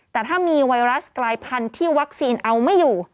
แต่ถ้ามีไวรัสกลายพันธุ์ที่วัคซีนเอาไม่อยู่